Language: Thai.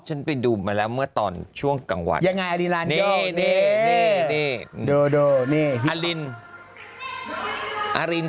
ฉันไปดูมาแล้วเมื่อตอนช่วงกังวัลยังไงอารินลันนี่นี่นี่เดอละตะนี่คืออาริน